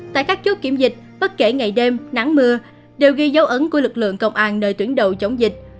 tại các chốt kiểm dịch bất kể ngày đêm nắng mưa đều ghi dấu ấn của lực lượng công an nơi tuyến đầu chống dịch